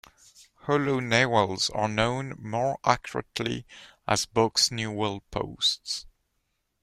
Hollow newels are known more accurately as box newel posts.